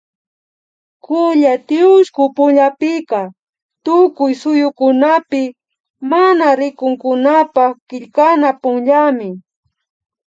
Kulla tiushku punllapika Tukuy suyukunapi mana rikunkunapak killkana punllami